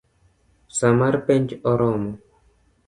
Saa mar penj oromo